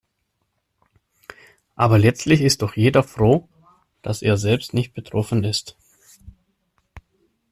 Aber letztlich ist doch jeder froh, dass er selbst nicht betroffen ist.